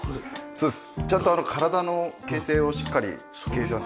そうです。